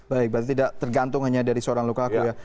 baik berarti tidak tergantung hanya dari seorang lukaku ya